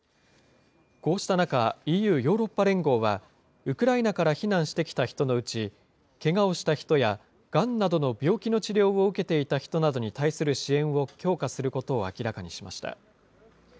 こうした中、ＥＵ・ヨーロッパ連合は、ウクライナから避難してきた人のうち、けがをした人やがんなどの病気の治療を受けていた人などに対する支援を強化することを明らかにしました。